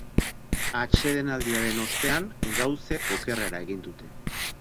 Atsedenaldiaren ostean, gauzek okerrera egin dute.